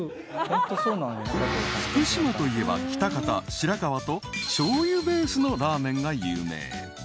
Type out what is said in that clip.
［福島といえば喜多方白河としょうゆベースのラーメンが有名］